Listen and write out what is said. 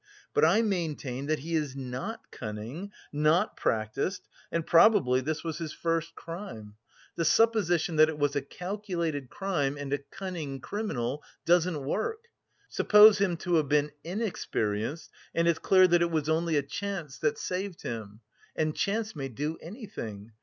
But I maintain that he is not cunning, not practised, and probably this was his first crime! The supposition that it was a calculated crime and a cunning criminal doesn't work. Suppose him to have been inexperienced, and it's clear that it was only a chance that saved him and chance may do anything.